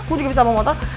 gue juga bisa bawa motor